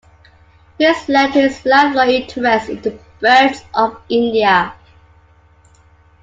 This led to his lifelong interest in the birds of India.